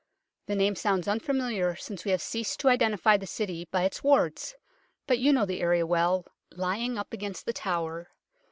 The name sounds unfamiliar since we have ceased to identify the City by its wards, but you know the area well, lying up against The Tower.